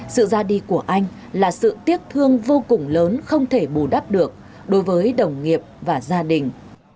sự ra đi của anh là sự tiếc thương vô cùng lớn không thể bù đắp được đối với đồng nghiệp và gia đình